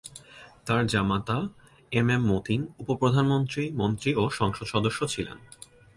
তার জামাতা M M Matin উপ-প্রধানমন্ত্রী, মন্ত্রী ও সংসদ সদস্য ছিলেন।